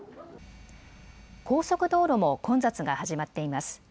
高速道路も混雑が始まっています。